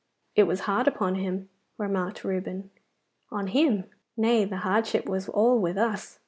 'It was hard upon him,' remarked Reuben. 'On him! Nay, the hardship was all with us.